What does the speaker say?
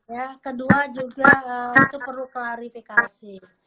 ya kedua juga itu perlu klarifikasi